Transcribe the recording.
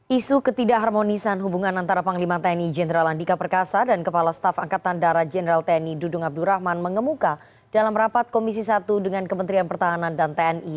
isu ketidakharmonisan hubungan antara panglima tni jenderal andika perkasa dan kepala staf angkatan darat jenderal tni dudung abdurrahman mengemuka dalam rapat komisi satu dengan kementerian pertahanan dan tni